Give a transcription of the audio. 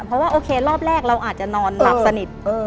เพราะว่าโอเครอบแรกเราอาจจะนอนหลับสนิท